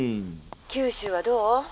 「九州はどう？」。